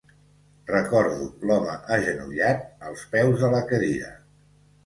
Recordo l'home agenollat als peus de la cadira.